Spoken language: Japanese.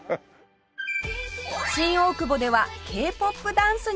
新大久保では Ｋ−ＰＯＰ ダンスにチャレンジ